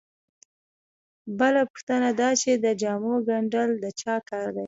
بله پوښتنه دا چې د جامو ګنډل د چا کار دی